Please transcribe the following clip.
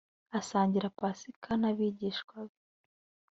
asangira pasika n abigishwa be